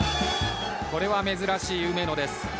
これは珍しい梅野です。